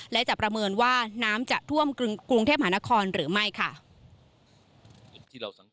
และจะประเมินว่าน้ำจะท่วมกรุงเทพหานครหรือไม่ค่ะ